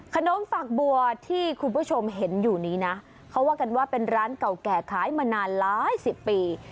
ฝักบัวที่คุณผู้ชมเห็นอยู่นี้นะเขาว่ากันว่าเป็นร้านเก่าแก่ขายมานานหลายสิบปี